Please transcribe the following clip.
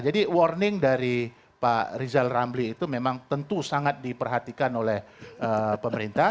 jadi warning dari pak rizal ramli itu memang tentu sangat diperhatikan oleh pemerintah